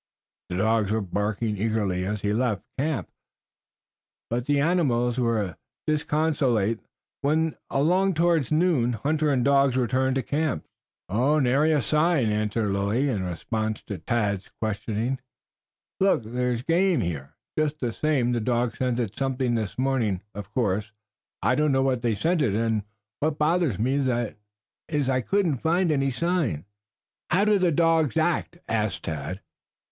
The dogs were barking eagerly as he left camp, but the animals were disconsolate when, along towards noon, hunter and dogs returned to camp. "Nary a sign," answered Lilly in response to Tad's questioning look. "There's game here, just the same. The dogs scented something this morning. Of course, I don't know what they scented, and what bothers me is that I couldn't find any sign." "How did the dogs act?" asked Tad.